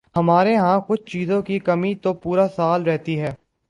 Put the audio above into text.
ہمارے ہاں کچھ چیزوں کی کمی تو پورا سال رہتی ہے۔